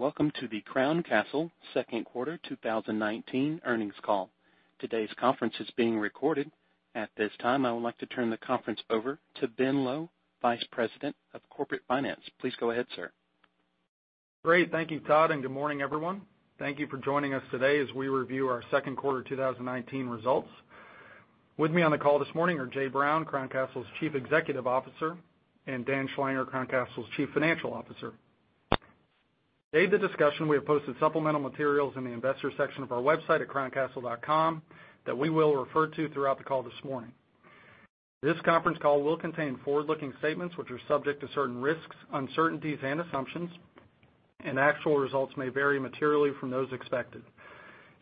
Welcome to the Crown Castle second quarter 2019 earnings call. Today's conference is being recorded. At this time, I would like to turn the conference over to Ben Lowe, Vice President of Corporate Finance. Please go ahead, sir. Great. Thank you, Todd. Good morning, everyone. Thank you for joining us today as we review our second quarter 2019 results. With me on the call this morning are Jay Brown, Crown Castle's Chief Executive Officer, and Dan Schlanger, Crown Castle's Chief Financial Officer. To aid the discussion, we have posted supplemental materials in the investors section of our website at crowncastle.com that we will refer to throughout the call this morning. This conference call will contain forward-looking statements, which are subject to certain risks, uncertainties, and assumptions. Actual results may vary materially from those expected.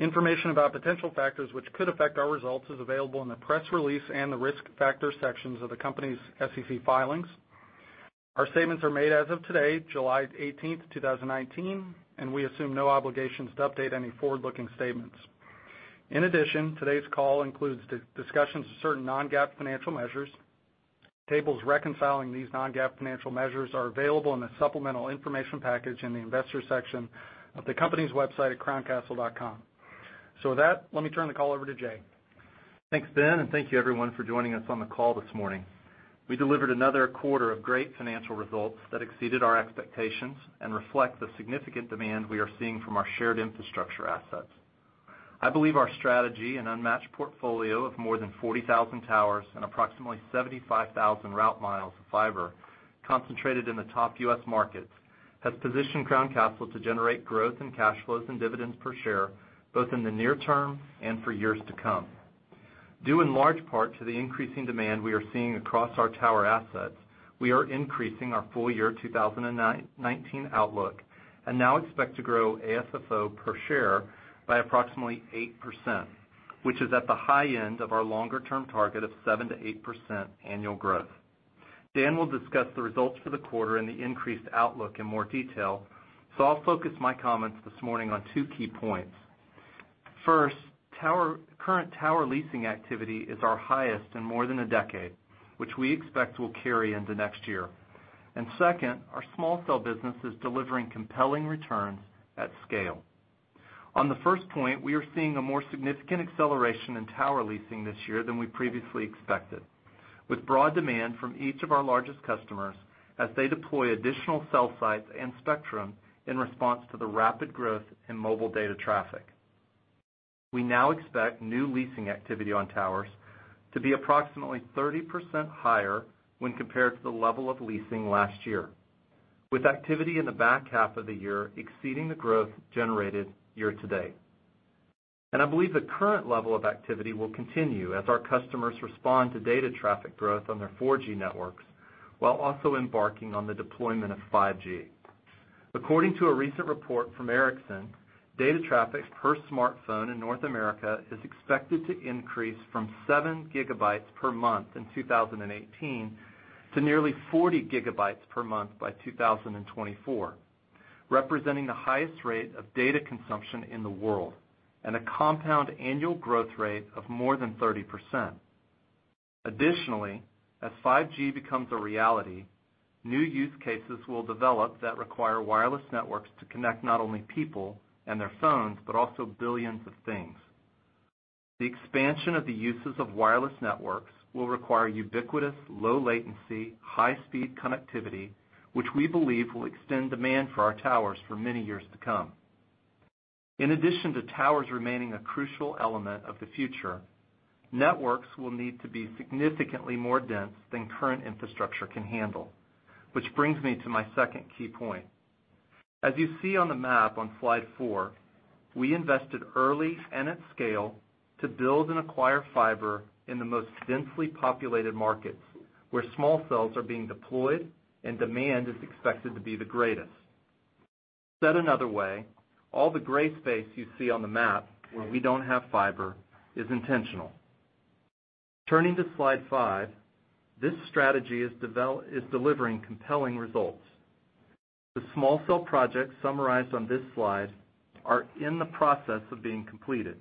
Information about potential factors which could affect our results is available in the press release and the risk factor sections of the company's SEC filings. Our statements are made as of today, July 18, 2019. We assume no obligations to update any forward-looking statements. In addition, today's call includes discussions of certain non-GAAP financial measures. Tables reconciling these non-GAAP financial measures are available in the supplemental information package in the investors section of the company's website at crowncastle.com. With that, let me turn the call over to Jay. Thanks, Ben. Thank you everyone for joining us on the call this morning. We delivered another quarter of great financial results that exceeded our expectations and reflect the significant demand we are seeing from our shared infrastructure assets. I believe our strategy and unmatched portfolio of more than 40,000 towers and approximately 75,000 route miles of fiber concentrated in the top U.S. markets, has positioned Crown Castle to generate growth in cash flows and dividends per share, both in the near term and for years to come. Due in large part to the increasing demand we are seeing across our tower assets, we are increasing our full year 2019 outlook, and now expect to grow AFFO per share by approximately 8%, which is at the high end of our longer-term target of 7%-8% annual growth. Dan will discuss the results for the quarter and the increased outlook in more detail. I'll focus my comments this morning on two key points. First, current tower leasing activity is our highest in more than a decade, which we expect will carry into next year. Second, our small cell business is delivering compelling returns at scale. On the first point, we are seeing a more significant acceleration in tower leasing this year than we previously expected. With broad demand from each of our largest customers as they deploy additional cell sites and spectrum in response to the rapid growth in mobile data traffic. We now expect new leasing activity on towers to be approximately 30% higher when compared to the level of leasing last year, with activity in the back half of the year exceeding the growth generated year to date. I believe the current level of activity will continue as our customers respond to data traffic growth on their 4G networks, while also embarking on the deployment of 5G. According to a recent report from Ericsson, data traffic per smartphone in North America is expected to increase from seven gigabytes per month in 2018 to nearly 40 gigabytes per month by 2024, representing the highest rate of data consumption in the world and a compound annual growth rate of more than 30%. As 5G becomes a reality, new use cases will develop that require wireless networks to connect not only people and their phones, but also billions of things. The expansion of the uses of wireless networks will require ubiquitous, low latency, high speed connectivity, which we believe will extend demand for our towers for many years to come. In addition to towers remaining a crucial element of the future, networks will need to be significantly more dense than current infrastructure can handle. Which brings me to my second key point. As you see on the map on slide four, we invested early and at scale to build and acquire fiber in the most densely populated markets, where small cells are being deployed and demand is expected to be the greatest. Said another way, all the gray space you see on the map where we don't have fiber is intentional. Turning to slide five, this strategy is delivering compelling results. The small cell projects summarized on this slide are in the process of being completed.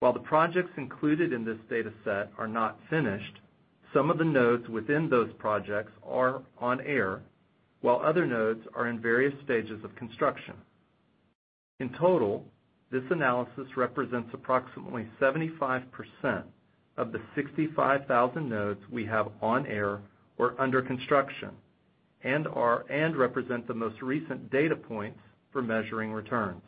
While the projects included in this data set are not finished, some of the nodes within those projects are on air, while other nodes are in various stages of construction. In total, this analysis represents approximately 75% of the 65,000 nodes we have on air or under construction and represent the most recent data points for measuring returns.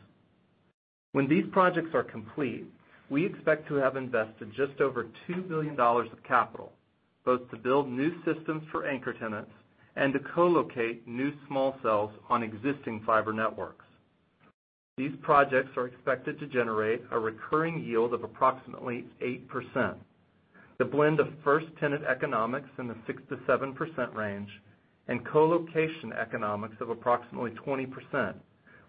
When these projects are complete, we expect to have invested just over $2 billion of capital, both to build new systems for anchor tenants and to co-locate new small cells on existing fiber networks. These projects are expected to generate a recurring yield of approximately 8%, the blend of first tenant economics in the 6%-7% range, and co-location economics of approximately 20%,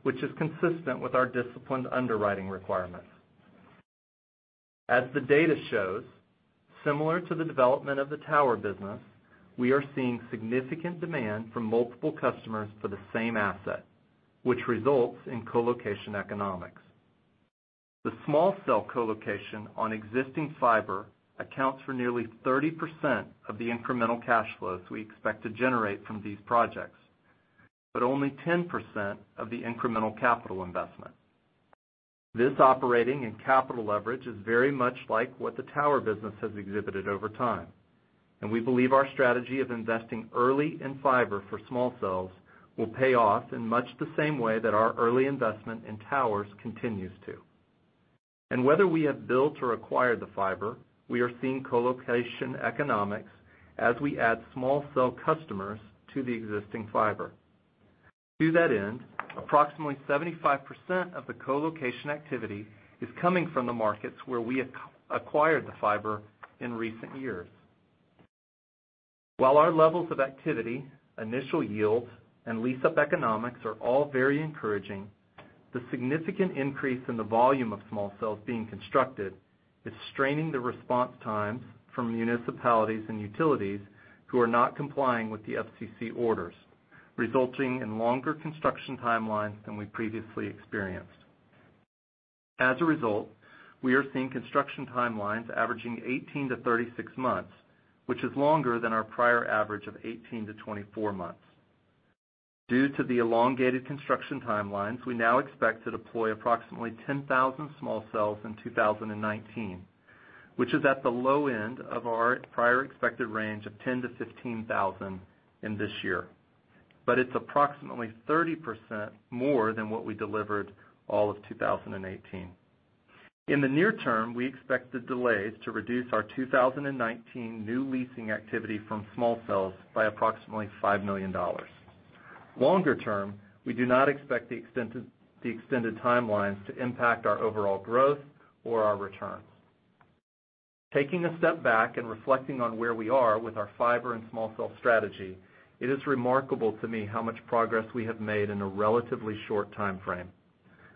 which is consistent with our disciplined underwriting requirements. As the data shows, similar to the development of the tower business, we are seeing significant demand from multiple customers for the same asset, which results in co-location economics. The small cell co-location on existing fiber accounts for nearly 30% of the incremental cash flows we expect to generate from these projects, but only 10% of the incremental capital investment. This operating and capital leverage is very much like what the tower business has exhibited over time. We believe our strategy of investing early in fiber for small cells will pay off in much the same way that our early investment in towers continues to. Whether we have built or acquired the fiber, we are seeing co-location economics as we add small cell customers to the existing fiber. To that end, approximately 75% of the co-location activity is coming from the markets where we acquired the fiber in recent years. While our levels of activity, initial yields, and lease-up economics are all very encouraging, the significant increase in the volume of small cells being constructed is straining the response times from municipalities and utilities who are not complying with the FCC orders, resulting in longer construction timelines than we previously experienced. As a result, we are seeing construction timelines averaging 18-36 months, which is longer than our prior average of 18-24 months. Due to the elongated construction timelines, we now expect to deploy approximately 10,000 small cells in 2019, which is at the low end of our prior expected range of 10,000-15,000 in this year. It's approximately 30% more than what we delivered all of 2018. In the near term, we expect the delays to reduce our 2019 new leasing activity from small cells by approximately $5 million. Longer term, we do not expect the extended timelines to impact our overall growth or our returns. Taking a step back and reflecting on where we are with our fiber and small cell strategy, it is remarkable to me how much progress we have made in a relatively short timeframe.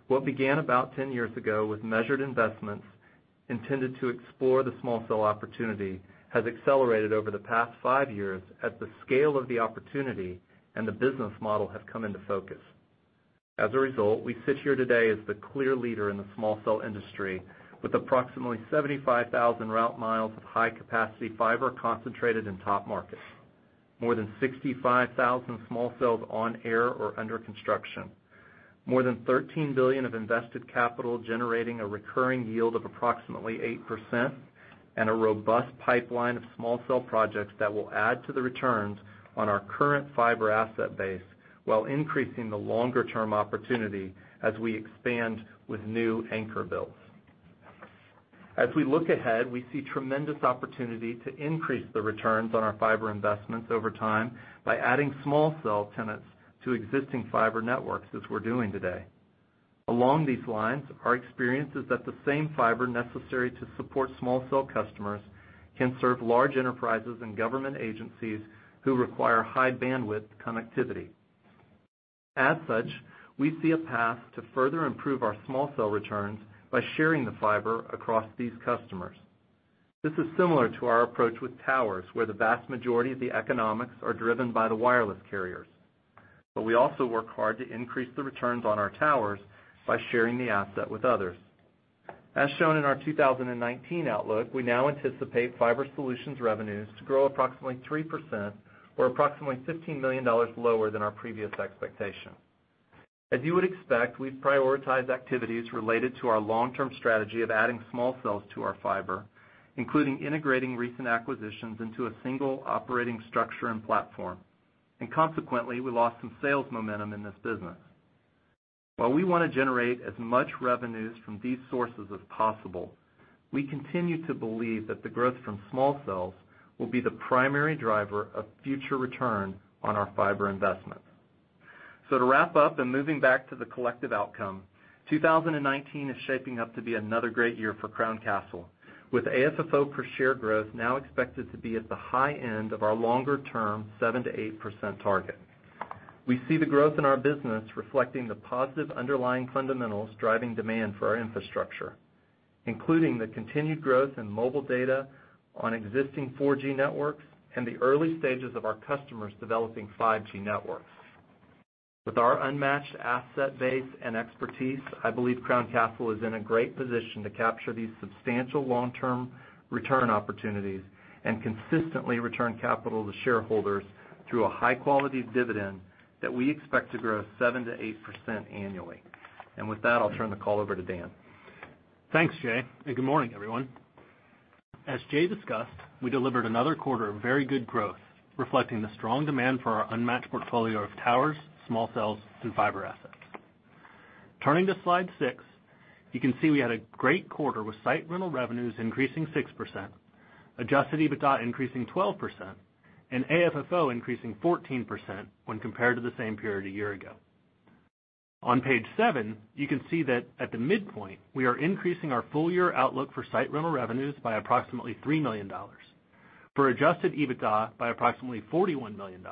What began about 10 years ago with measured investments intended to explore the small cell opportunity, has accelerated over the past five years as the scale of the opportunity and the business model have come into focus. As a result, we sit here today as the clear leader in the small cell industry with approximately 75,000 route miles of high-capacity fiber concentrated in top markets. More than 65,000 small cells on air or under construction. More than $13 billion of invested capital generating a recurring yield of approximately 8%, and a robust pipeline of small cell projects that will add to the returns on our current fiber asset base, while increasing the longer-term opportunity as we expand with new anchor builds. As we look ahead, we see tremendous opportunity to increase the returns on our fiber investments over time by adding small cell tenants to existing fiber networks as we're doing today. Along these lines, our experience is that the same fiber necessary to support small cell customers can serve large enterprises and government agencies who require high bandwidth connectivity. As such, we see a path to further improve our small cell returns by sharing the fiber across these customers. This is similar to our approach with towers, where the vast majority of the economics are driven by the wireless carriers. We also work hard to increase the returns on our towers by sharing the asset with others. As shown in our 2019 outlook, we now anticipate fiber solutions revenues to grow approximately 3%, or approximately $15 million lower than our previous expectation. As you would expect, we've prioritized activities related to our long-term strategy of adding small cells to our fiber, including integrating recent acquisitions into a single operating structure and platform, and consequently, we lost some sales momentum in this business. While we want to generate as much revenues from these sources as possible, we continue to believe that the growth from small cells will be the primary driver of future return on our fiber investments. To wrap up and moving back to the collective outcome, 2019 is shaping up to be another great year for Crown Castle, with AFFO per share growth now expected to be at the high end of our longer-term 7%-8% target. We see the growth in our business reflecting the positive underlying fundamentals driving demand for our infrastructure, including the continued growth in mobile data on existing 4G networks, and the early stages of our customers developing 5G networks. With our unmatched asset base and expertise, I believe Crown Castle is in a great position to capture these substantial long-term return opportunities, and consistently return capital to shareholders through a high-quality dividend that we expect to grow 7%-8% annually. With that, I'll turn the call over to Dan. Thanks, Jay, and good morning, everyone. As Jay discussed, we delivered another quarter of very good growth, reflecting the strong demand for our unmatched portfolio of towers, small cells, and fiber assets. Turning to Slide six, you can see we had a great quarter with site rental revenues increasing 6%, adjusted EBITDA increasing 12%, and AFFO increasing 14% when compared to the same period a year ago. On Page seven, you can see that at the midpoint, we are increasing our full year outlook for site rental revenues by approximately $3 million, for adjusted EBITDA by approximately $41 million,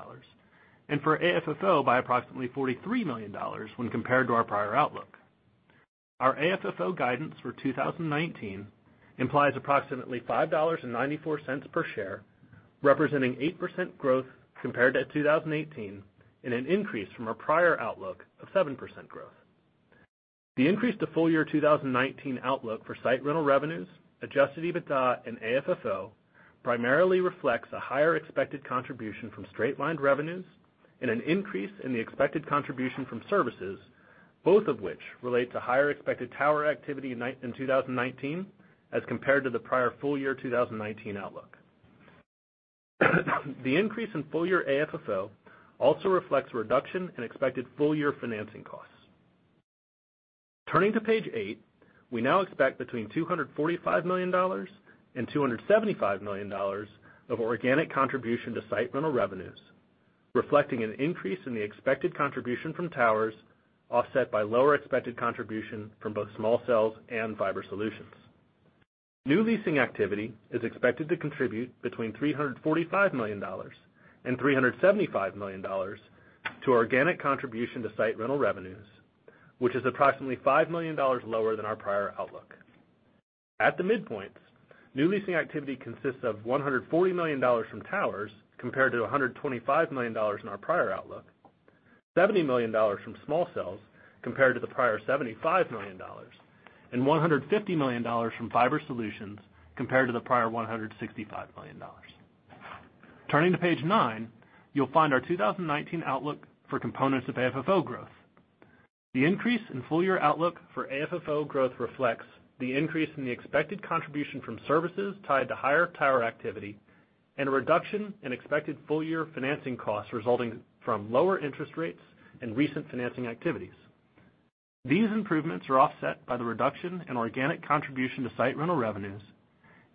and for AFFO by approximately $43 million when compared to our prior outlook. Our AFFO guidance for 2019 implies approximately $5.94 per share, representing 8% growth compared to 2018 and an increase from our prior outlook of 7% growth. The increase to full year 2019 outlook for site rental revenues, adjusted EBITDA and AFFO primarily reflects a higher expected contribution from straight line revenues and an increase in the expected contribution from services, both of which relate to higher expected tower activity in 2019 as compared to the prior full year 2019 outlook. The increase in full year AFFO also reflects a reduction in expected full year financing costs. Turning to page eight, we now expect between $245 million and $275 million of organic contribution to site rental revenues, reflecting an increase in the expected contribution from towers, offset by lower expected contribution from both small cells and fiber solutions. New leasing activity is expected to contribute between $345 million and $375 million to organic contribution to site rental revenues, which is approximately $5 million lower than our prior outlook. At the midpoints, new leasing activity consists of $140 million from towers compared to $125 million in our prior outlook, $70 million from small cells compared to the prior $75 million, and $150 million from fiber solutions compared to the prior $165 million. Turning to page nine, you'll find our 2019 outlook for components of AFFO growth. The increase in full year outlook for AFFO growth reflects the increase in the expected contribution from services tied to higher tower activity and a reduction in expected full year financing costs resulting from lower interest rates and recent financing activities. These improvements are offset by the reduction in organic contribution to site rental revenues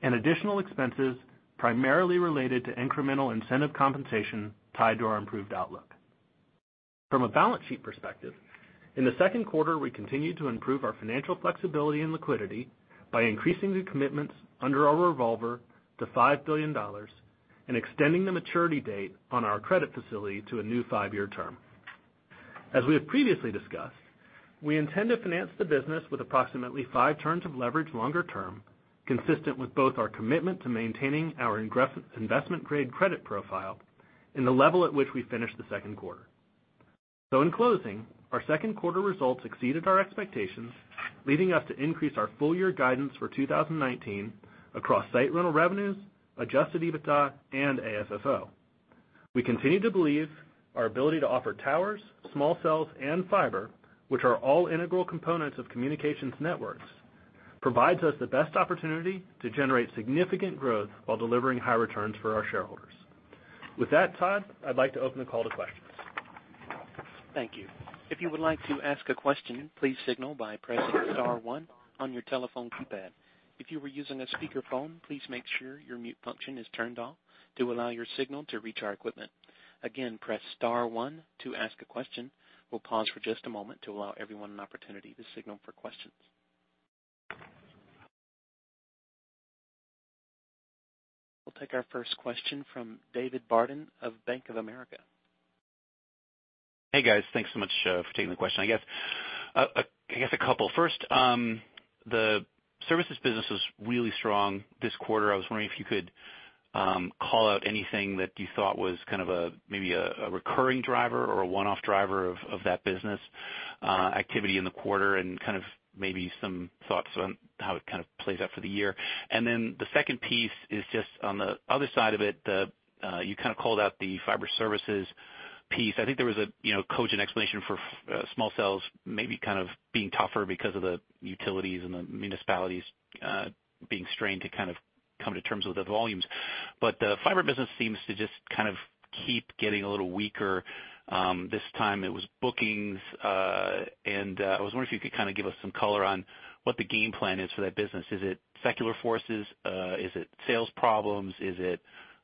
and additional expenses, primarily related to incremental incentive compensation tied to our improved outlook. From a balance sheet perspective, in the second quarter, we continued to improve our financial flexibility and liquidity by increasing the commitments under our revolver to $5 billion and extending the maturity date on our credit facility to a new five-year term. As we have previously discussed, we intend to finance the business with approximately five turns of leverage longer term, consistent with both our commitment to maintaining our investment grade credit profile and the level at which we finished the second quarter. In closing, our second quarter results exceeded our expectations, leading us to increase our full year guidance for 2019 across site rental revenues, adjusted EBITDA, and AFFO. We continue to believe our ability to offer towers, small cells, and fiber, which are all integral components of communications networks, provides us the best opportunity to generate significant growth while delivering high returns for our shareholders. With that, Todd, I'd like to open the call to questions. Thank you. If you would like to ask a question, please signal by pressing star one on your telephone keypad. If you are using a speakerphone, please make sure your mute function is turned off to allow your signal to reach our equipment. Again, press star one to ask a question. We'll pause for just a moment to allow everyone an opportunity to signal for questions. We'll take our first question from David Barden of Bank of America. Hey, guys. Thanks so much for taking the question. I guess a couple. First, the services business was really strong this quarter. I was wondering if you could call out anything that you thought was maybe a recurring driver or a one-off driver of that business activity in the quarter, and maybe some thoughts on how it plays out for the year. The second piece is just on the other side of it, you called out the fiber services piece. I think there was a cogent explanation for small cells maybe being tougher because of the utilities and the municipalities being strained to come to terms with the volumes. The fiber business seems to just keep getting a little weaker. This time it was bookings, and I was wondering if you could give us some color on what the game plan is for that business. Is it secular forces? Is it sales problems? Is it,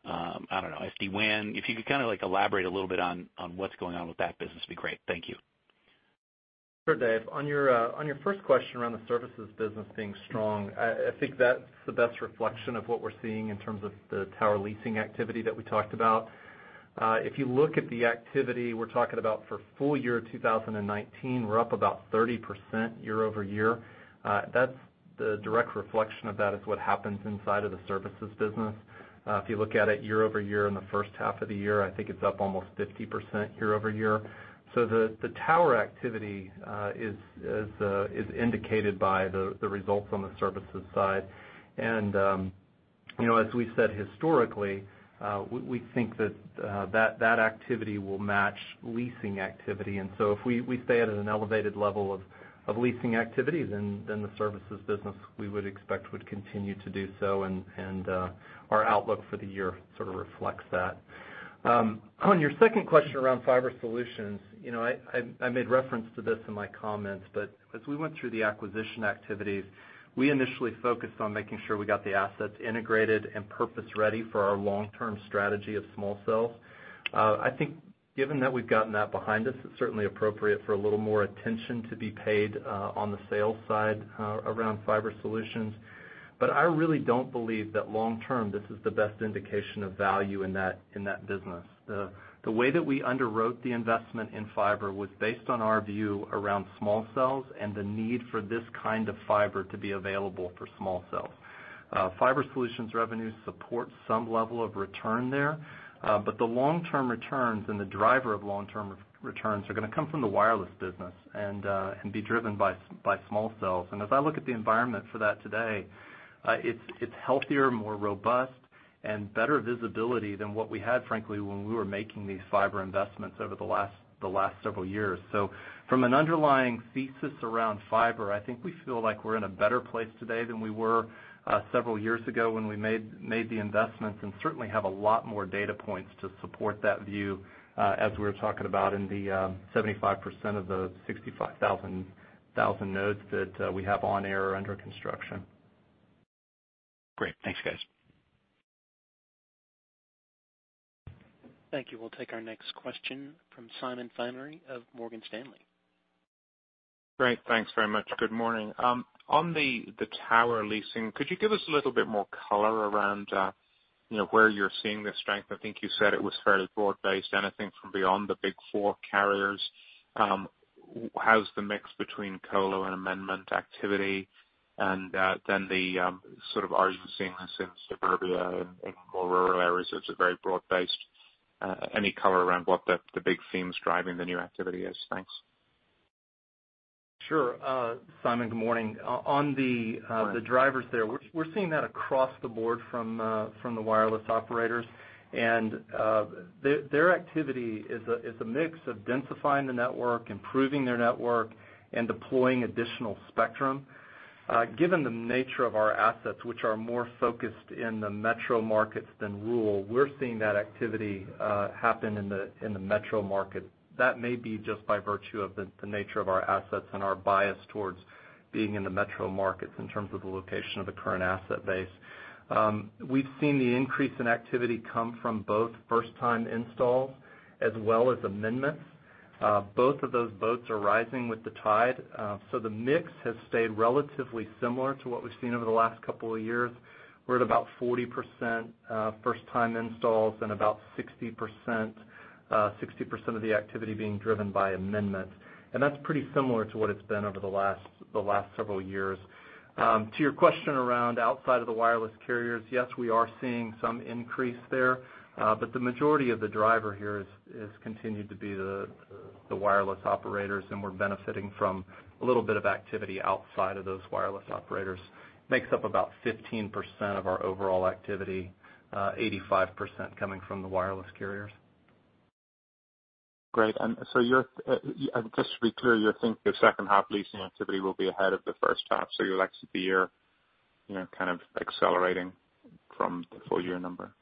I don't know, SD-WAN? If you could elaborate a little bit on what's going on with that business, it'd be great. Thank you. Sure, Dave. On your first question around the services business being strong, I think that's the best reflection of what we're seeing in terms of the tower leasing activity that we talked about. If you look at the activity we're talking about for full year 2019, we're up about 30% year-over-year. The direct reflection of that is what happens inside of the services business. If you look at it year-over-year in the first half of the year, I think it's up almost 50% year-over-year. The tower activity is indicated by the results on the services side. As we said historically, we think that activity will match leasing activity. If we stay at an elevated level of leasing activity, then the services business we would expect would continue to do so, and our outlook for the year reflects that. On your second question around fiber solutions, I made reference to this in my comments, but as we went through the acquisition activities, we initially focused on making sure we got the assets integrated and purpose ready for our long-term strategy of small cells. I think given that we've gotten that behind us, it's certainly appropriate for a little more attention to be paid on the sales side around fiber solutions. I really don't believe that long term, this is the best indication of value in that business. The way that we underwrote the investment in fiber was based on our view around small cells and the need for this kind of fiber to be available for small cells. Fiber solutions revenues support some level of return there, but the long-term returns and the driver of long-term returns are going to come from the wireless business and be driven by small cells. As I look at the environment for that today, it's healthier, more robust, and better visibility than what we had, frankly, when we were making these fiber investments over the last several years. From an underlying thesis around fiber, I think we feel like we're in a better place today than we were several years ago when we made the investments, and certainly have a lot more data points to support that view, as we were talking about in the 75% of the 65,000 nodes that we have on air or under construction. Great. Thanks, guys. Thank you. We'll take our next question from Simon Flannery of Morgan Stanley. Great. Thanks very much. Good morning. On the tower leasing, could you give us a little bit more color around where you're seeing the strength? I think you said it was fairly broad-based. Anything from beyond the big four carriers? How's the mix between colo and amendment activity? Then are you seeing this in suburbia and more rural areas, or is it very broad based? Any color around what the big themes driving the new activity is? Thanks. Sure. Simon, good morning. Hi The drivers there, we're seeing that across the board from the wireless operators. Their activity is a mix of densifying the network, improving their network, and deploying additional spectrum. Given the nature of our assets, which are more focused in the metro markets than rural, we're seeing that activity happen in the metro market. That may be just by virtue of the nature of our assets and our bias towards being in the metro markets in terms of the location of the current asset base. We've seen the increase in activity come from both first-time installs as well as amendments. Both of those boats are rising with the tide. The mix has stayed relatively similar to what we've seen over the last couple of years. We're at about 40% first-time installs and about 60% of the activity being driven by amendments. That's pretty similar to what it's been over the last several years. To your question around outside of the wireless carriers, yes, we are seeing some increase there. The majority of the driver here has continued to be the wireless operators, and we're benefiting from a little bit of activity outside of those wireless operators. Makes up about 15% of our overall activity, 85% coming from the wireless carriers. Great. Just to be clear, you think the second half leasing activity will be ahead of the first half, you'll actually be kind of accelerating from the full-year number?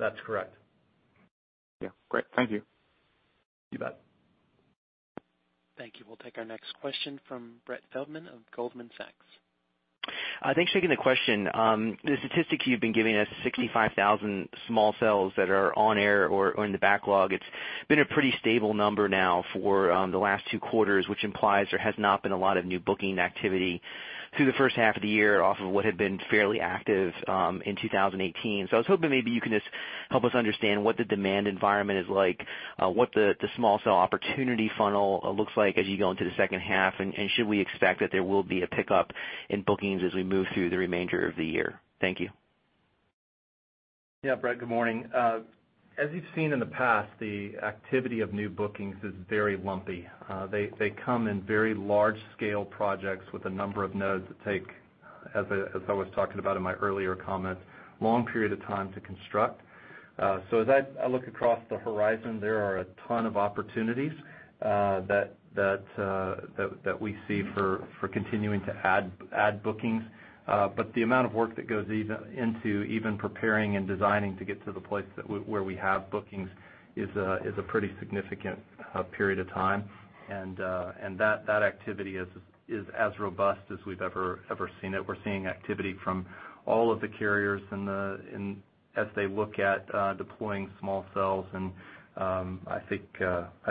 That's correct. Yeah. Great. Thank you. You bet. Thank you. We'll take our next question from Brett Feldman of Goldman Sachs. Thanks for taking the question. The statistics you've been giving us, 65,000 small cells that are on air or in the backlog, it's been a pretty stable number now for the last two quarters, which implies there has not been a lot of new booking activity through the first half of the year off of what had been fairly active in 2018. I was hoping maybe you can just help us understand what the demand environment is like, what the small cell opportunity funnel looks like as you go into the second half, and should we expect that there will be a pickup in bookings as we move through the remainder of the year? Thank you. Yeah, Brett, good morning. As you've seen in the past, the activity of new bookings is very lumpy. They come in very large-scale projects with a number of nodes that take, as I was talking about in my earlier comments, a long period of time to construct. As I look across the horizon, there are a ton of opportunities that we see for continuing to add bookings. The amount of work that goes into even preparing and designing to get to the place where we have bookings is a pretty significant period of time, and that activity is as robust as we've ever seen it. We're seeing activity from all of the carriers as they look at deploying small cells, and I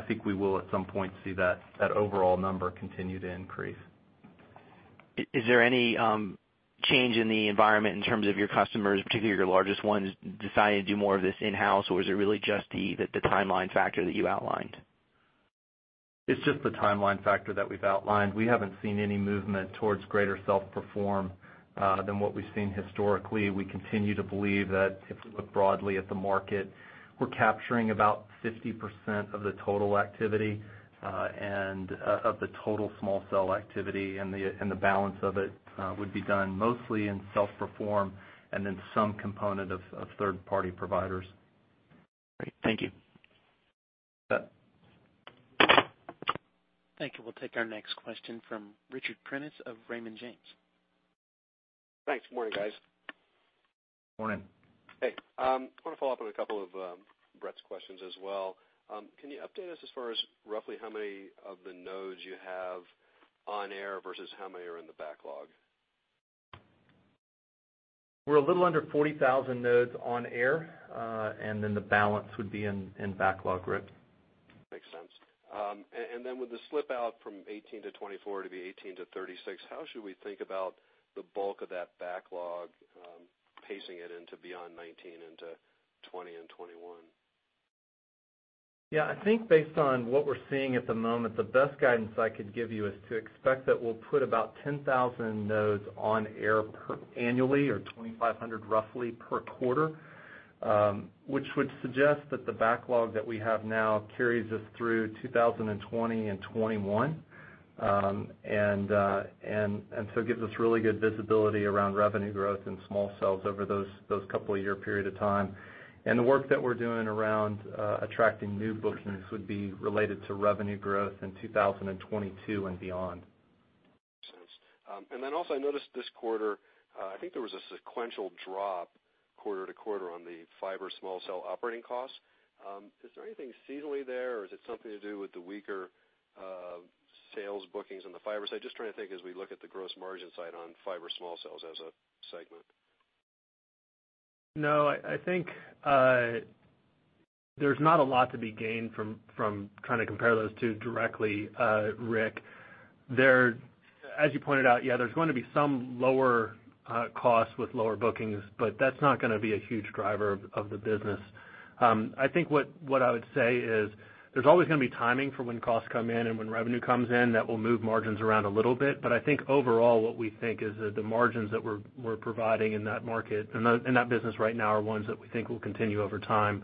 think we will at some point see that overall number continue to increase. Is there any change in the environment in terms of your customers, particularly your largest ones, deciding to do more of this in-house, or is it really just the timeline factor that you outlined? It's just the timeline factor that we've outlined. We haven't seen any movement towards greater self-perform than what we've seen historically. We continue to believe that if we look broadly at the market, we're capturing about 50% of the total small cell activity, and the balance of it would be done mostly in self-perform and in some component of third-party providers. Great. Thank you. You bet. Thank you. We'll take our next question from Richard Prentiss of Raymond James. Thanks. Morning, guys. Morning. Hey. I want to follow up on a couple of Brett's questions as well. Can you update us as far as roughly how many of the nodes you have on air versus how many are in the backlog? We're a little under 40,000 nodes on air, and then the balance would be in backlog, Rick. Makes sense. With the slip out from 18-24 months to be 18-36 months, how should we think about the bulk of that backlog, pacing it into beyond 2019 into 2020 and 2021? Yeah, I think based on what we're seeing at the moment, the best guidance I could give you is to expect that we'll put about 10,000 nodes on air annually or 2,500 roughly per quarter, which would suggest that the backlog that we have now carries us through 2020 and 2021. It gives us really good visibility around revenue growth in small cells over those couple of year period of time. The work that we're doing around attracting new bookings would be related to revenue growth in 2022 and beyond. Makes sense. Also, I noticed this quarter, I think there was a sequential drop quarter-to-quarter on the fiber small cell operating costs. Is there anything seasonally there, or is it something to do with the weaker sales bookings on the fiber side? Just trying to think as we look at the gross margin side on fiber small cells as a segment. I think there's not a lot to be gained from trying to compare those two directly, Rick. As you pointed out, yeah, there's going to be some lower costs with lower bookings, but that's not going to be a huge driver of the business. I think what I would say is there's always going to be timing for when costs come in and when revenue comes in, that will move margins around a little bit. I think overall, what we think is that the margins that we're providing in that market, in that business right now, are ones that we think will continue over time.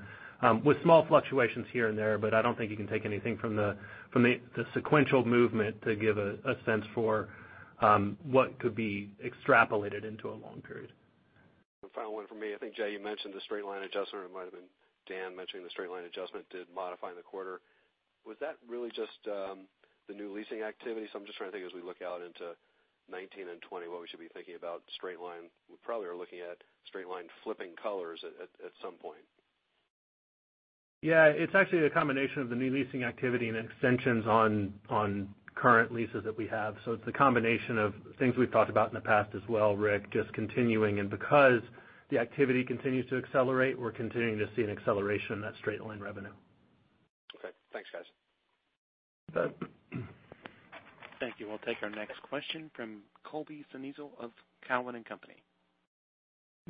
With small fluctuations here and there, but I don't think you can take anything from the sequential movement to give a sense for what could be extrapolated into a long period. One final one from me. I think, Jay, you mentioned the straight-line adjustment, or it might have been Dan mentioning the straight-line adjustment to modifying the quarter. Was that really just the new leasing activity? I'm just trying to think as we look out into 2019 and 2020, what we should be thinking about straight-line. We probably are looking at straight-line flipping colors at some point. Yeah. It's actually a combination of the new leasing activity and extensions on current leases that we have. It's a combination of things we've talked about in the past as well, Rick, just continuing. Because the activity continues to accelerate, we're continuing to see an acceleration in that straight-line revenue. Okay. Thanks, guys. Thank you. We'll take our next question from Colby Synesael of Cowen and Company.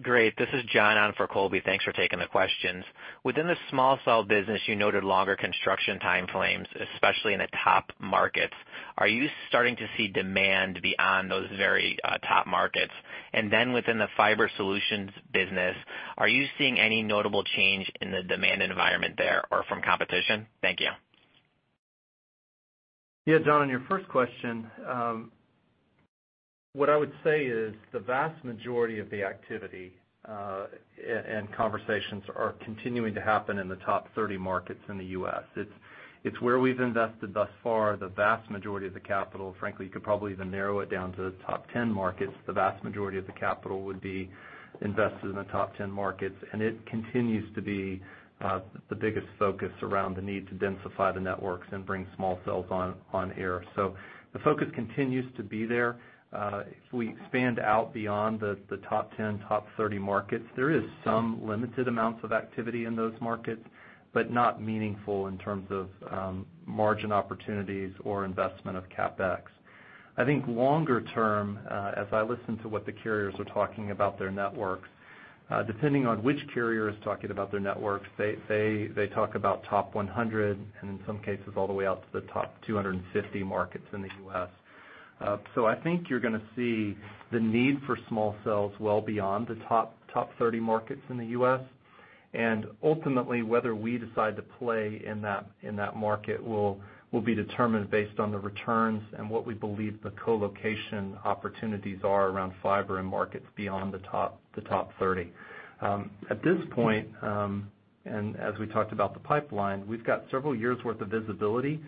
Great. This is John on for Colby. Thanks for taking the questions. Within the small cell business, you noted longer construction time frames, especially in the top markets. Are you starting to see demand beyond those very top markets? Then within the fiber solutions business, are you seeing any notable change in the demand environment there or from competition? Thank you. Yeah, John, on your first question, what I would say is the vast majority of the activity, and conversations are continuing to happen in the top 30 markets in the U.S. It's where we've invested thus far, the vast majority of the capital. Frankly, you could probably even narrow it down to the top 10 markets. The vast majority of the capital would be invested in the top 10 markets, and it continues to be the biggest focus around the need to densify the networks and bring small cells on air. The focus continues to be there. If we expand out beyond the top 10, top 30 markets, there is some limited amounts of activity in those markets, but not meaningful in terms of margin opportunities or investment of CapEx. I think longer term, as I listen to what the carriers are talking about their networks, depending on which carrier is talking about their networks, they talk about top 100, and in some cases, all the way out to the top 250 markets in the U.S. I think you're going to see the need for small cells well beyond the top 30 markets in the U.S. Ultimately, whether we decide to play in that market will be determined based on the returns and what we believe the co-location opportunities are around fiber in markets beyond the top 30. At this point, as we talked about the pipeline, we've got several years' worth of visibility,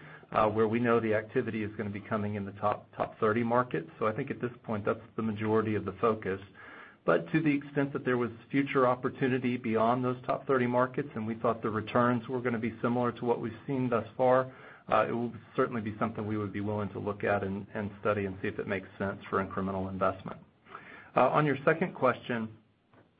where we know the activity is going to be coming in the top 30 markets. I think at this point, that's the majority of the focus. To the extent that there was future opportunity beyond those top 30 markets, and we thought the returns were going to be similar to what we've seen thus far, it will certainly be something we would be willing to look at and study and see if it makes sense for incremental investment. On your second question,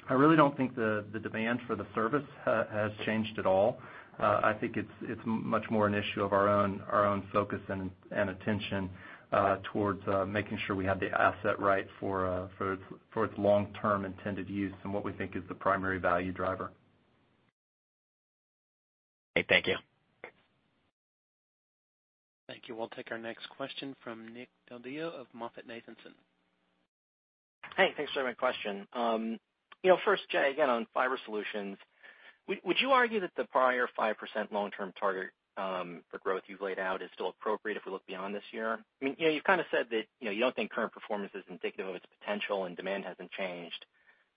I really don't think the demand for the service has changed at all. I think it's much more an issue of our own focus and attention towards making sure we have the asset right for its long-term intended use and what we think is the primary value driver. Okay, thank you. Thank you. We'll take our next question from Nick Del Deo of MoffettNathanson. Hey, thanks for taking my question. First, Jay, again, on fiber solutions, would you argue that the prior 5% long-term target for growth you've laid out is still appropriate if we look beyond this year? You've kind of said that you don't think current performance is indicative of its potential and demand hasn't changed,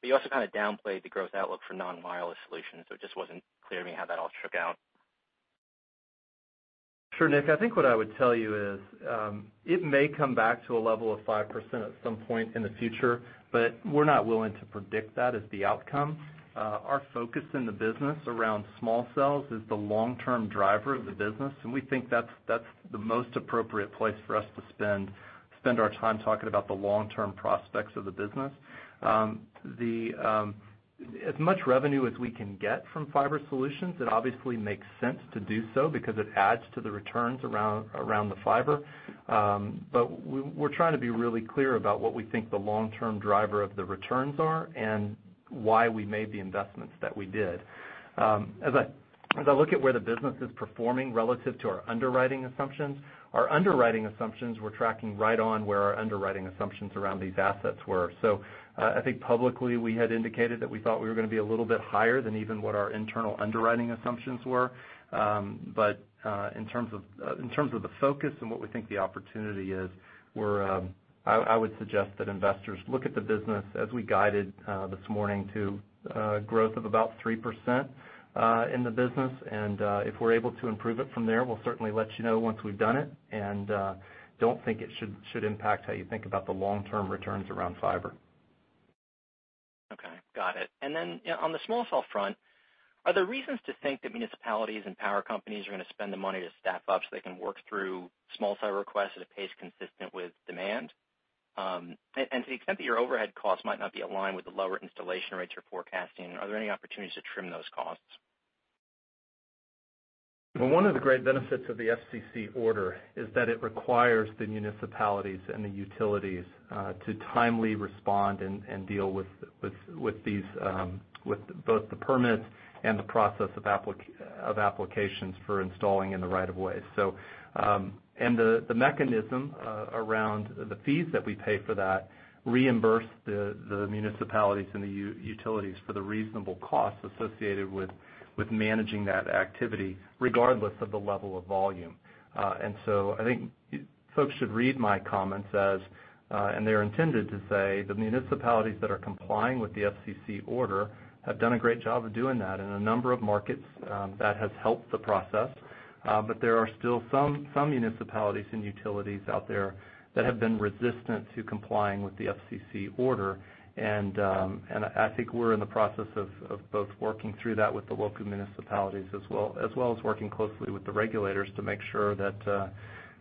but you also kind of downplayed the growth outlook for non-wireless solutions. It just wasn't clear to me how that all shook out. Sure, Nick. I think what I would tell you is it may come back to a level of 5% at some point in the future, but we're not willing to predict that as the outcome. Our focus in the business around small cells is the long-term driver of the business, and we think that's the most appropriate place for us to spend our time talking about the long-term prospects of the business. As much revenue as we can get from fiber solutions, it obviously makes sense to do so because it adds to the returns around the fiber. We're trying to be really clear about what we think the long-term driver of the returns are and why we made the investments that we did. As I look at where the business is performing relative to our underwriting assumptions, our underwriting assumptions were tracking right on where our underwriting assumptions around these assets were. I think publicly, we had indicated that we thought we were going to be a little bit higher than even what our internal underwriting assumptions were. In terms of the focus and what we think the opportunity is, I would suggest that investors look at the business as we guided this morning to growth of about 3% in the business. If we're able to improve it from there, we'll certainly let you know once we've done it and don't think it should impact how you think about the long-term returns around fiber. Okay, got it. Then on the small cell front, are there reasons to think that municipalities and power companies are going to spend the money to staff up so they can work through small cell requests at a pace consistent with demand? To the extent that your overhead costs might not be aligned with the lower installation rates you're forecasting, are there any opportunities to trim those costs? Well, one of the great benefits of the FCC order is that it requires the municipalities and the utilities to timely respond and deal with both the permits and the process of applications for installing in the right of way. The mechanism around the fees that we pay for that reimburse the municipalities and the utilities for the reasonable costs associated with managing that activity, regardless of the level of volume. So I think folks should read my comments as, and they're intended to say, the municipalities that are complying with the FCC order have done a great job of doing that. In a number of markets, that has helped the process. There are still some municipalities and utilities out there that have been resistant to complying with the FCC order. I think we're in the process of both working through that with the local municipalities as well as working closely with the regulators to make sure that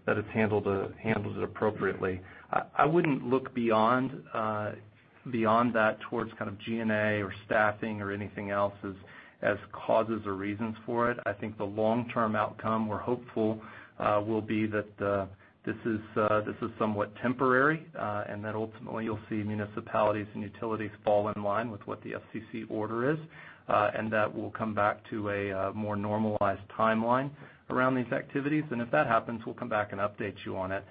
it's handled appropriately. I wouldn't look beyond that towards kind of G&A or staffing or anything else as causes or reasons for it. I think the long-term outcome we're hopeful will be that this is somewhat temporary, and that ultimately you'll see municipalities and utilities fall in line with what the FCC order is, and that we'll come back to a more normalized timeline around these activities. If that happens, we'll come back and update you on it.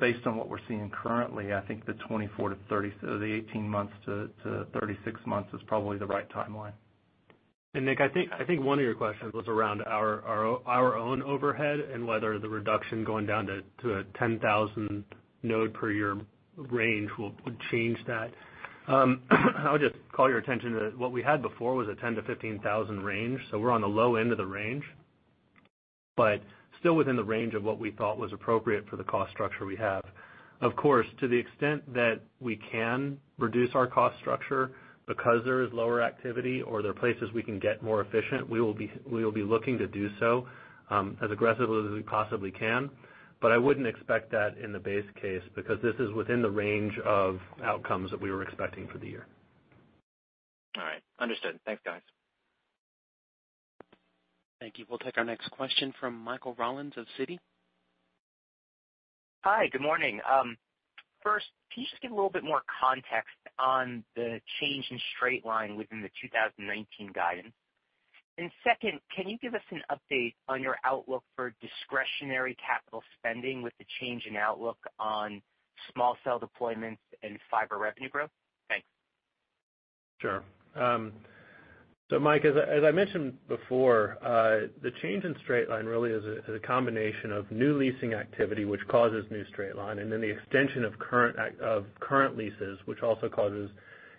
Based on what we're seeing currently, I think the 18 months to 36 months is probably the right timeline. Nick, I think one of your questions was around our own overhead and whether the reduction going down to a 10,000 node per year range would change that. I would just call your attention to what we had before was a 10,000-15,000 range, so we're on the low end of the range, but still within the range of what we thought was appropriate for the cost structure we have. Of course, to the extent that we can reduce our cost structure because there is lower activity or there are places we can get more efficient, we will be looking to do so as aggressively as we possibly can. I wouldn't expect that in the base case, because this is within the range of outcomes that we were expecting for the year. All right. Understood. Thanks, guys. Thank you. We'll take our next question from Michael Rollins of Citi. Hi, good morning. First, can you just give a little bit more context on the change in straight line within the 2019 guidance? Second, can you give us an update on your outlook for discretionary capital spending with the change in outlook on small cell deployments and fiber revenue growth? Thanks. Sure. Mike, as I mentioned before, the change in straight line really is a combination of new leasing activity, which causes new straight line, and then the extension of current leases, which also causes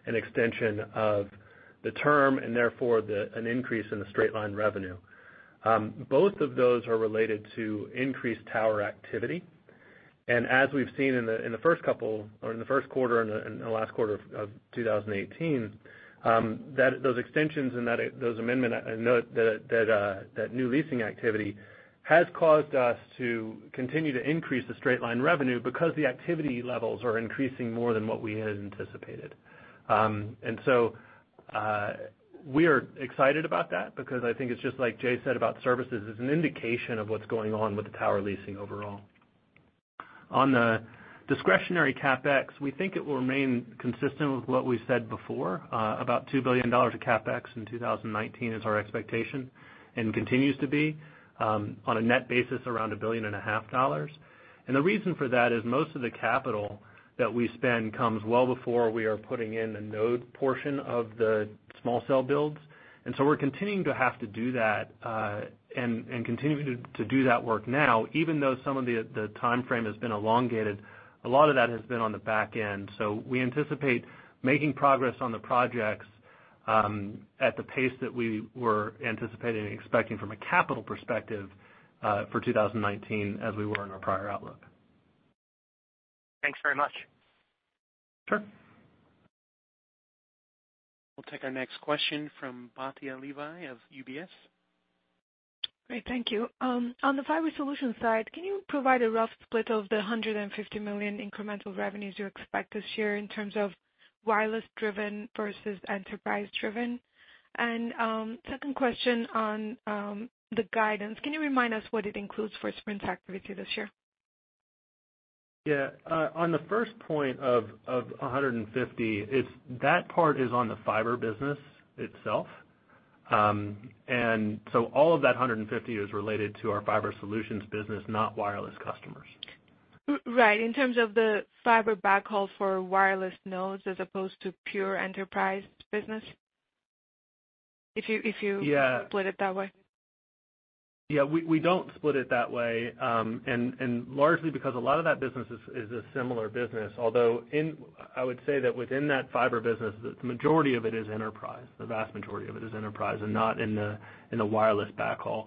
an extension of the term and therefore an increase in the straight line revenue. Both of those are related to increased tower activity. As we've seen in the first quarter and the last quarter of 2018, those extensions and that new leasing activity has caused us to continue to increase the straight line revenue because the activity levels are increasing more than what we had anticipated. We are excited about that because I think it's just like Jay said about services, as an indication of what's going on with the tower leasing overall. On the discretionary CapEx, we think it will remain consistent with what we said before. About $2 billion of CapEx in 2019 is our expectation and continues to be. On a net basis, around a $0.5 billion. The reason for that is most of the capital that we spend comes well before we are putting in the node portion of the small cell builds. We're continuing to have to do that and continue to do that work now, even though some of the timeframe has been elongated. A lot of that has been on the back end. We anticipate making progress on the projects at the pace that we were anticipating and expecting from a capital perspective for 2019 as we were in our prior outlook. Thanks very much. Sure. We'll take our next question from Batya Levi of UBS. Great, thank you. On the fiber solution side, can you provide a rough split of the $150 million incremental revenues you expect this year in terms of wireless driven versus enterprise driven? Second question on the guidance. Can you remind what it includes for Sprint's activity this year? Yeah. On the first point of $150 million, that part is on the fiber business itself. So all of that $150 is related to our fiber solutions business, not wireless customers. Right. In terms of the fiber backhauls for wireless nodes as opposed to pure enterprise business, if you- Yeah split it that way. Yeah, we don't split it that way, and largely because a lot of that business is a similar business. Although, I would say that within that fiber business, the majority of it is enterprise. The vast majority of it is enterprise and not in the wireless backhaul.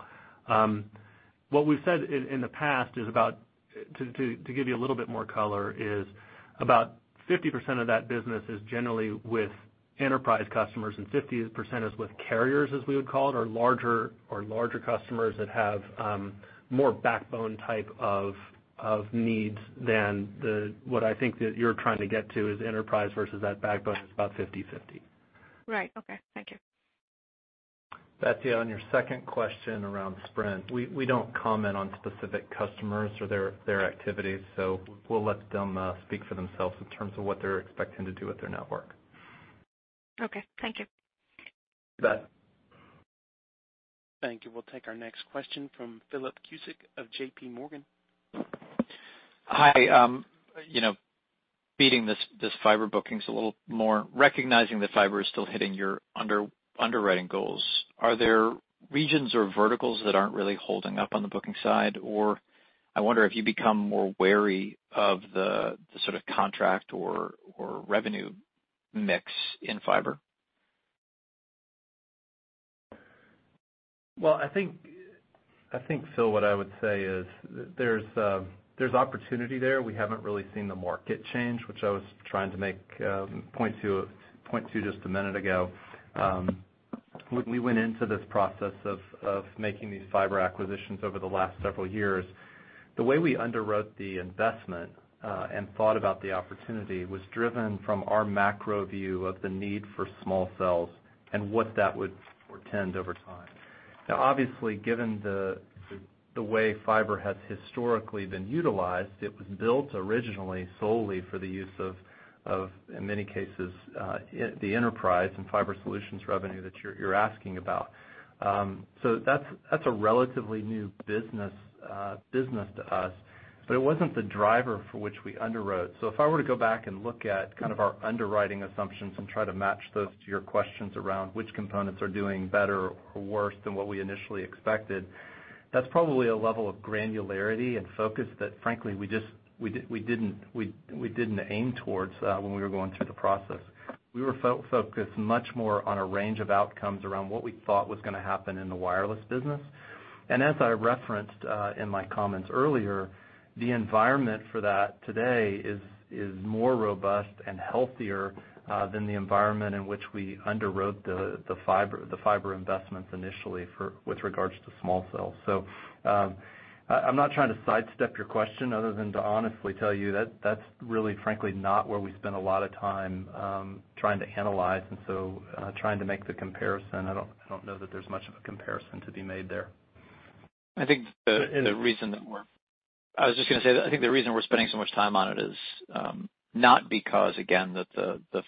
What we've said in the past, to give you a little bit more color, is about 50% of that business is generally with enterprise customers and 50% is with carriers, as we would call it, or larger customers that have more backbone type of needs than what I think that you're trying to get to is enterprise versus that backbone. It's about 50/50. Right. Okay. Thank you. Batya, on your second question around Sprint, we don't comment on specific customers or their activities. We'll let them speak for themselves in terms of what they're expecting to do with their network. Okay. Thank you. You bet. Thank you. We'll take our next question from Philip Cusick of JPMorgan. Hi. Beating this fiber bookings a little more, recognizing that fiber is still hitting your underwriting goals, are there regions or verticals that aren't really holding up on the booking side? I wonder if you become more wary of the sort of contract or revenue mix in fiber. Well, I think, Phil, what I would say is there's opportunity there. We haven't really seen the market change, which I was trying to point to just a minute ago. When we went into this process of making these fiber acquisitions over the last several years, the way we underwrote the investment, and thought about the opportunity, was driven from our macro view of the need for small cells and what that would portend over time. Obviously, given the way fiber has historically been utilized, it was built originally solely for the use of, in many cases, the enterprise and fiber solutions revenue that you're asking about. That's a relatively new business to us, but it wasn't the driver for which we underwrote. If I were to go back and look at kind of our underwriting assumptions and try to match those to your questions around which components are doing better or worse than what we initially expected, that's probably a level of granularity and focus that frankly, we didn't aim towards when we were going through the process. We were focused much more on a range of outcomes around what we thought was going to happen in the wireless business. As I referenced in my comments earlier, the environment for that today is more robust and healthier than the environment in which we underwrote the fiber investments initially with regards to small cells. I'm not trying to sidestep your question other than to honestly tell you that's really, frankly, not where we spend a lot of time trying to analyze and so trying to make the comparison. I don't know that there's much of a comparison to be made there. I was just going to say that I think the reason we're spending so much time on it is not because, again, that the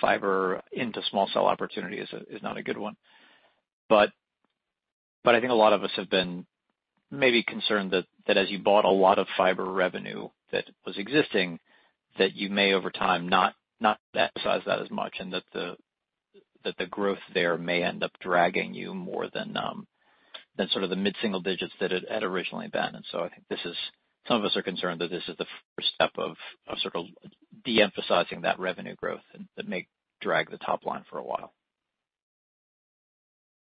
fiber into small cell opportunity is not a good one. I think a lot of us have been maybe concerned that as you bought a lot of fiber revenue that was existing, that you may, over time, not emphasize that as much, and that the growth there may end up dragging you more than sort of the mid-single digits that it had originally been. I think some of us are concerned that this is the first step of sort of de-emphasizing that revenue growth and that may drag the top line for a while.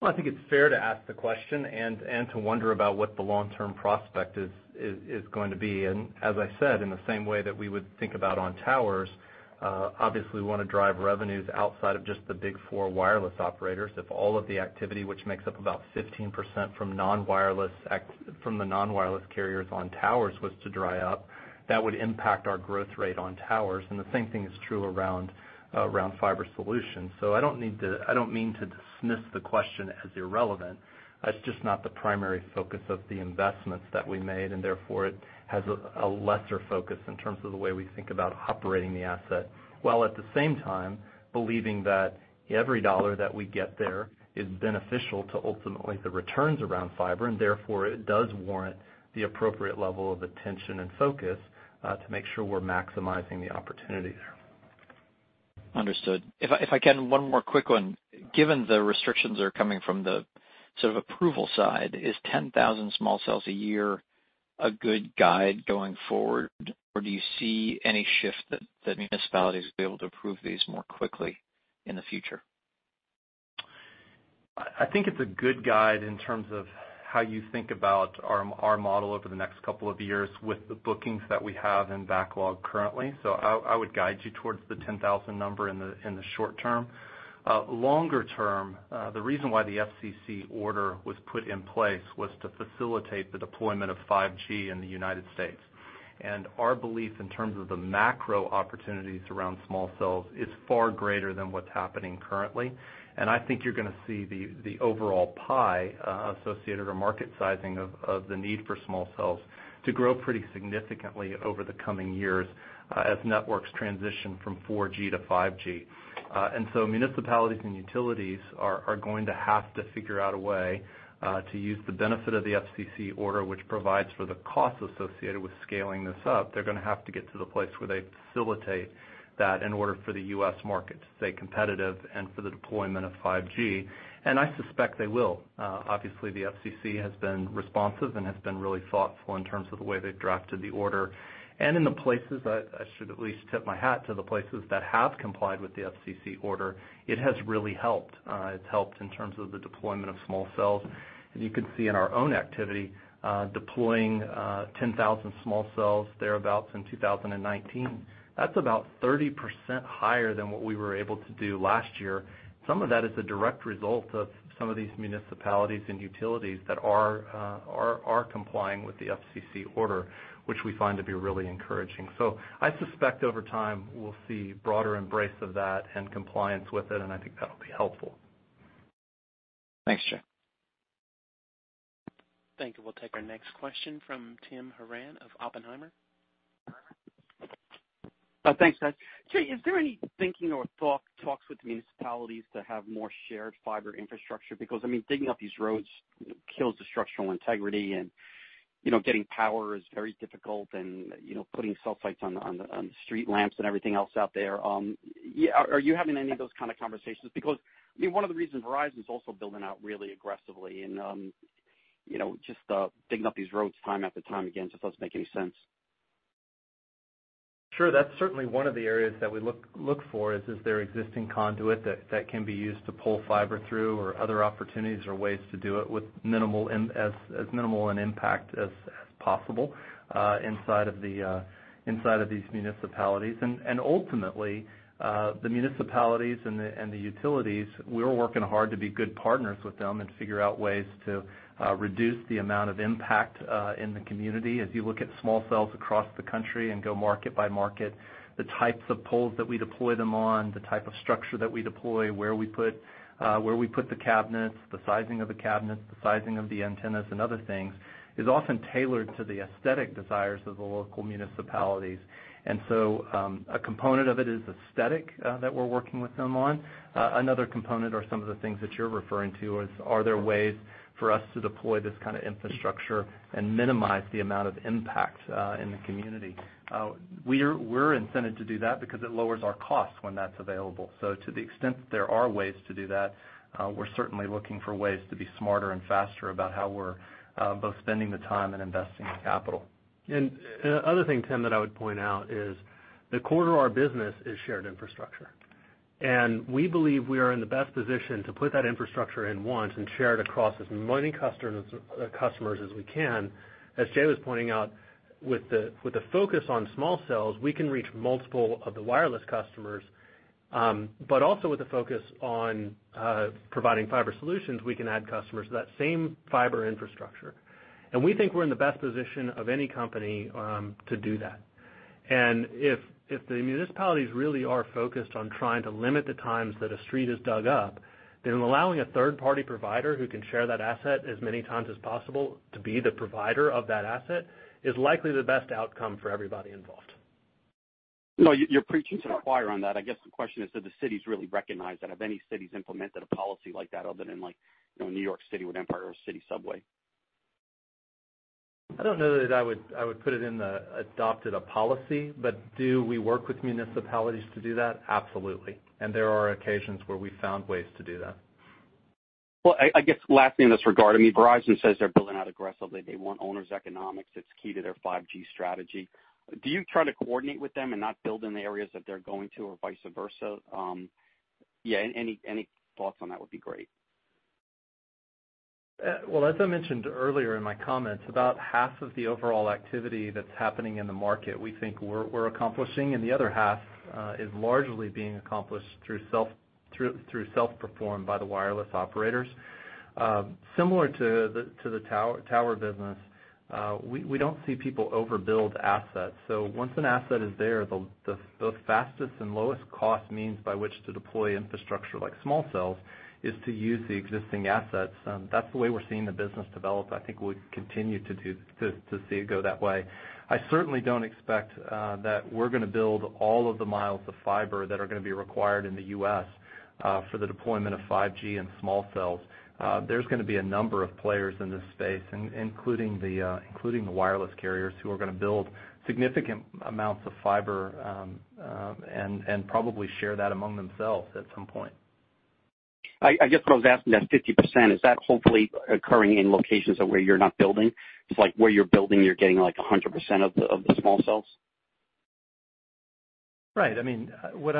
Well, I think it's fair to ask the question and to wonder about what the long-term prospect is going to be. As I said, in the same way that we would think about on towers, obviously we want to drive revenues outside of just the big four wireless operators. If all of the activity, which makes up about 15% from the non-wireless carriers on towers was to dry up, that would impact our growth rate on towers, and the same thing is true around fiber solutions. I don't mean to dismiss the question as irrelevant. That's just not the primary focus of the investments that we made, and therefore, it has a lesser focus in terms of the way we think about operating the asset, while at the same time, believing that every dollar that we get there is beneficial to ultimately the returns around fiber, and therefore, it does warrant the appropriate level of attention and focus, to make sure we're maximizing the opportunity there. Understood. If I can, one more quick one. Given the restrictions that are coming from the sort of approval side, is 10,000 small cells a year a good guide going forward, or do you see any shift that municipalities will be able to approve these more quickly in the future? I think it's a good guide in terms of how you think about our model over the next couple of years with the bookings that we have in backlog currently. I would guide you towards the 10,000 number in the short term. Longer term, the reason why the FCC order was put in place was to facilitate the deployment of 5G in the U.S. And our belief in terms of the macro opportunities around small cells is far greater than what's happening currently. I think you're going to see the overall pie associated, or market sizing of the need for small cells to grow pretty significantly over the coming years as networks transition from 4G to 5G. Municipalities and utilities are going to have to figure out a way to use the benefit of the FCC order, which provides for the cost associated with scaling this up. They're going to have to get to the place where they facilitate that in order for the U.S. market to stay competitive and for the deployment of 5G. I suspect they will. Obviously, the FCC has been responsive and has been really thoughtful in terms of the way they've drafted the order. I should at least tip my hat to the places that have complied with the FCC order. It has really helped. It's helped in terms of the deployment of small cells. You can see in our own activity, deploying 10,000 small cells thereabout in 2019. That's about 30% higher than what we were able to do last year. Some of that is a direct result of some of these municipalities and utilities that are complying with the FCC order, which we find to be really encouraging. I suspect over time, we'll see broader embrace of that and compliance with it, and I think that'll be helpful. Thanks, Jay. Thank you. We'll take our next question from Tim Horan of Oppenheimer. Thanks, Seth. Jay, is there any thinking or talks with municipalities to have more shared fiber infrastructure? I mean, digging up these roads kills the structural integrity and getting power is very difficult and putting cell sites on the street lamps and everything else out there. Are you having any of those kind of conversations? One of the reasons Verizon's also building out really aggressively and just digging up these roads time after time again just doesn't make any sense. Sure. That's certainly one of the areas that we look for, is there existing conduit that can be used to pull fiber through or other opportunities or ways to do it with as minimal an impact as possible inside of these municipalities. Ultimately, the municipalities and the utilities, we're working hard to be good partners with them and figure out ways to reduce the amount of impact in the community. As you look at small cells across the country and go market by market, the types of poles that we deploy them on, the type of structure that we deploy, where we put the cabinets, the sizing of the cabinets, the sizing of the antennas and other things, is often tailored to the aesthetic desires of the local municipalities. A component of it is aesthetic that we're working with them on. Another component are some of the things that you're referring to is, are there ways for us to deploy this kind of infrastructure and minimize the amount of impact in the community? We're incented to do that because it lowers our cost when that's available. To the extent that there are ways to do that, we're certainly looking for ways to be smarter and faster about how we're both spending the time and investing the capital. The other thing, Tim, that I would point out is the core to our business is shared infrastructure. We believe we are in the best position to put that infrastructure in once and share it across as many customers as we can. As Jay was pointing out, with the focus on small cells, we can reach multiple of the wireless customers, but also with the focus on providing fiber solutions, we can add customers to that same fiber infrastructure. We think we're in the best position of any company to do that. If the municipalities really are focused on trying to limit the times that a street is dug up, then allowing a third-party provider who can share that asset as many times as possible to be the provider of that asset is likely the best outcome for everybody involved. No, you're preaching to the choir on that. I guess the question is, do the cities really recognize that? Have any cities implemented a policy like that other than New York City with Empire City Subway? I don't know that I would put it in the adopted a policy, but do we work with municipalities to do that? Absolutely. There are occasions where we've found ways to do that. I guess last thing in this regard, Verizon says they're building out aggressively. They want owners' economics that's key to their 5G strategy. Do you try to coordinate with them and not build in the areas that they're going to or vice versa? Any thoughts on that would be great. As I mentioned earlier in my comments, about half of the overall activity that's happening in the market, we think we're accomplishing, and the other half is largely being accomplished through self-perform by the wireless operators. Similar to the tower business, we don't see people overbuild assets. Once an asset is there, the fastest and lowest cost means by which to deploy infrastructure like small cells is to use the existing assets. That's the way we're seeing the business develop. I think we'll continue to see it go that way. I certainly don't expect that we're going to build all of the miles of fiber that are going to be required in the U.S. for the deployment of 5G and small cells. There's going to be a number of players in this space, including the wireless carriers who are going to build significant amounts of fiber, and probably share that among themselves at some point. I guess what I was asking, that 50%, is that hopefully occurring in locations of where you're not building? It's like where you're building, you're getting like 100% of the small cells? Right. What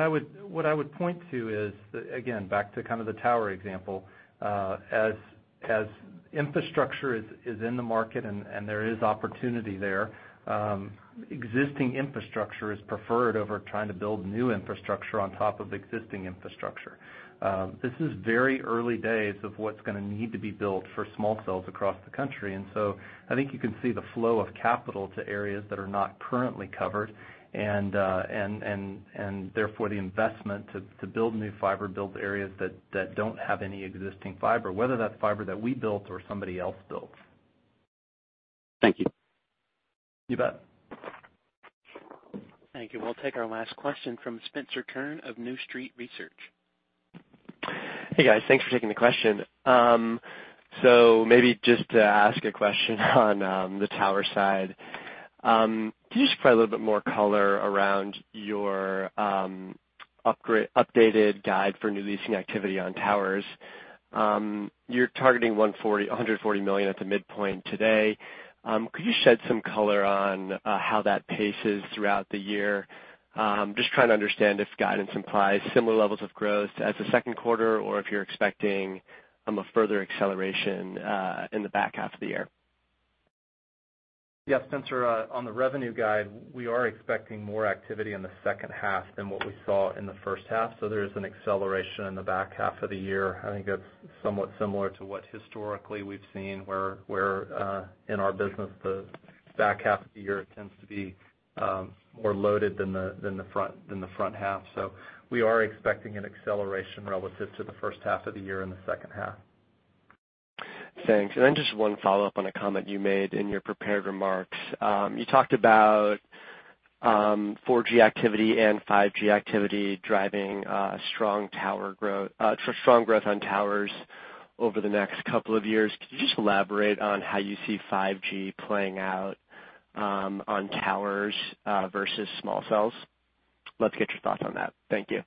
I would point to is, again, back to kind of the tower example. Infrastructure is in the market and there is opportunity there, existing infrastructure is preferred over trying to build new infrastructure on top of existing infrastructure. This is very early days of what's going to need to be built for small cells across the country. I think you can see the flow of capital to areas that are not currently covered, and therefore the investment to build new fiber, build areas that don't have any existing fiber, whether that's fiber that we built or somebody else built. Thank you. You bet. Thank you. We'll take our last question from Spencer Kurn of New Street Research. Hey, guys. Thanks for taking the question. Maybe just to ask a question on the tower side. Can you just provide a little bit more color around your updated guide for new leasing activity on towers? You're targeting $140 million at the midpoint today. Could you shed some color on how that paces throughout the year? Just trying to understand if guidance implies similar levels of growth as the second quarter, or if you're expecting a further acceleration in the back half of the year. Yeah, Spencer, on the revenue guide, we are expecting more activity in the second half than what we saw in the first half. There is an acceleration in the back half of the year. I think that's somewhat similar to what historically we've seen where, in our business, the back half of the year tends to be more loaded than the front half. We are expecting an acceleration relative to the first half of the year in the second half. Thanks. Just one follow-up on a comment you made in your prepared remarks. You talked about 4G activity and 5G activity driving strong growth on towers over the next couple of years. Could you just elaborate on how you see 5G playing out on towers versus small cells? Love to get your thoughts on that. Thank you.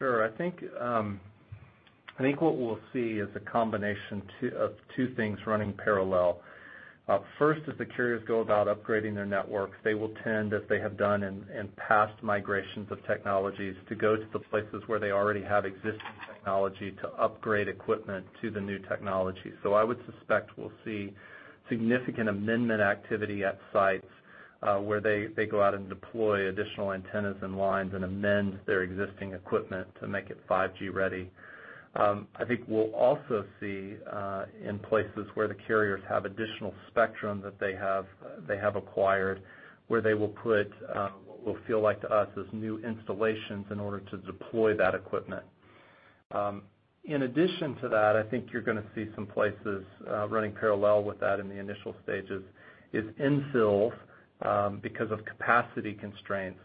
Sure. I think what we'll see is a combination of two things running parallel. First, as the carriers go about upgrading their networks, they will tend, as they have done in past migrations of technologies, to go to the places where they already have existing technology to upgrade equipment to the new technology. I would suspect we'll see significant amendment activity at sites, where they go out and deploy additional antennas and lines and amend their existing equipment to make it 5G ready. I think we'll also see, in places where the carriers have additional spectrum that they have acquired, where they will put what will feel like to us as new installations in order to deploy that equipment. In addition to that, I think you're going to see some places running parallel with that in the initial stages, is infills because of capacity constraints,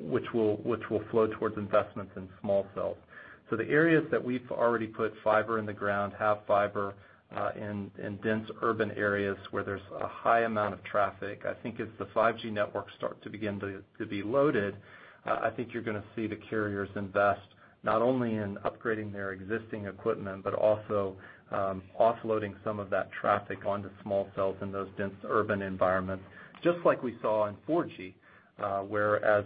which will flow towards investments in small cells. The areas that we've already put fiber in the ground, have fiber in dense urban areas where there's a high amount of traffic. I think as the 5G networks start to begin to be loaded, I think you're going to see the carriers invest not only in upgrading their existing equipment, but also offloading some of that traffic onto small cells in those dense urban environments. Just like we saw in 4G, where as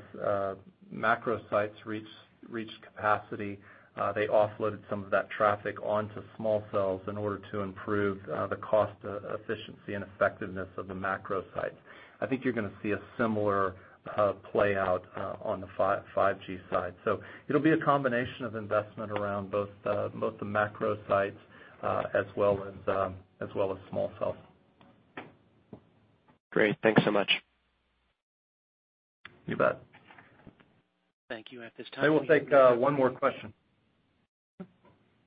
macro sites reached capacity, they offloaded some of that traffic onto small cells in order to improve the cost efficiency and effectiveness of the macro sites. I think you're going to see a similar play out on the 5G side. It'll be a combination of investment around both the macro sites as well as small cells. Great. Thanks so much. You bet. Thank you. At this time- We will take one more question.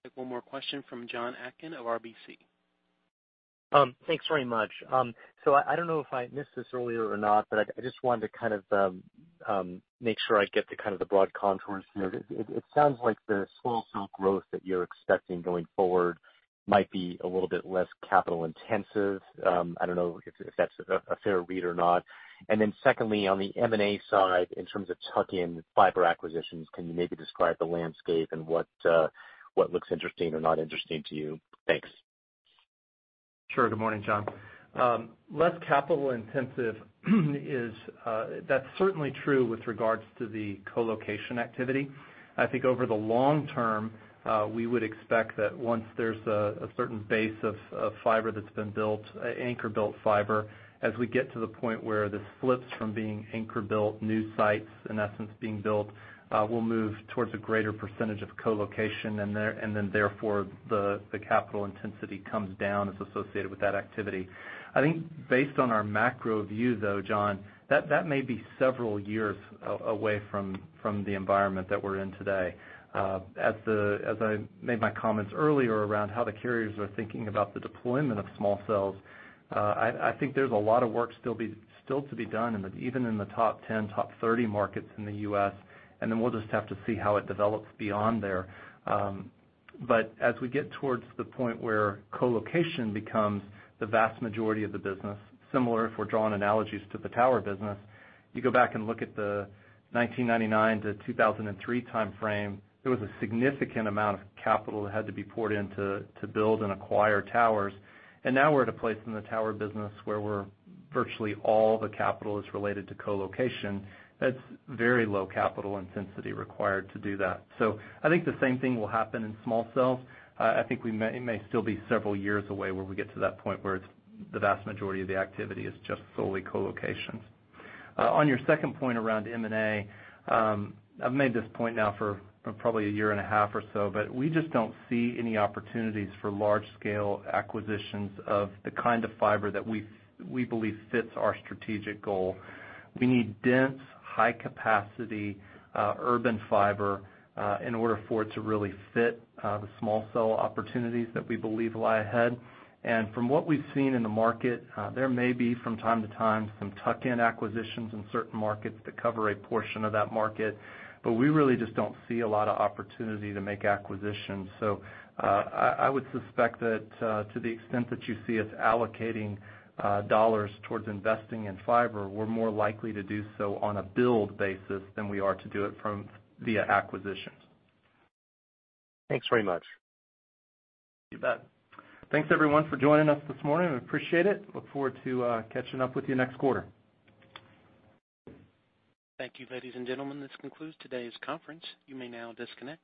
Take one more question from John Atkin of RBC. Thanks very much. I don't know if I missed this earlier or not, but I just wanted to kind of make sure I get to kind of the broad contours here. It sounds like the small cell growth that you're expecting going forward might be a little bit less capital intensive. I don't know if that's a fair read or not. Secondly, on the M&A side, in terms of tuck-in fiber acquisitions, can you maybe describe the landscape and what looks interesting or not interesting to you? Thanks. Sure. Good morning, John. Less capital intensive, that's certainly true with regards to the co-location activity. I think over the long term, we would expect that once there's a certain base of fiber that's been built, anchor-built fiber, as we get to the point where this flips from being anchor built, new sites, in essence, being built, we'll move towards a greater percentage of co-location and then therefore the capital intensity comes down that's associated with that activity. I think based on our macro view, though, John, that may be several years away from the environment that we're in today. As I made my comments earlier around how the carriers are thinking about the deployment of small cells, I think there's a lot of work still to be done, even in the top 10, top 30 markets in the U.S., then we'll just have to see how it develops beyond there. As we get towards the point where co-location becomes the vast majority of the business, similar if we're drawing analogies to the tower business, you go back and look at the 1999 to 2003 timeframe, there was a significant amount of capital that had to be poured in to build and acquire towers. Now we're at a place in the tower business where virtually all the capital is related to co-location. That's very low capital intensity required to do that. I think the same thing will happen in small cells. I think it may still be several years away where we get to that point where it's the vast majority of the activity is just solely co-locations. On your second point around M&A, I've made this point now for probably a year and a half or so, but we just don't see any opportunities for large-scale acquisitions of the kind of fiber that we believe fits our strategic goal. We need dense, high capacity, urban fiber, in order for it to really fit the small cell opportunities that we believe lie ahead. From what we've seen in the market, there may be from time to time, some tuck-in acquisitions in certain markets that cover a portion of that market. We really just don't see a lot of opportunity to make acquisitions. I would suspect that to the extent that you see us allocating dollars towards investing in fiber, we're more likely to do so on a build basis than we are to do it via acquisitions. Thanks very much. You bet. Thanks everyone for joining us this morning. I appreciate it. Look forward to catching up with you next quarter. Thank you, ladies and gentlemen. This concludes today's conference. You may now disconnect.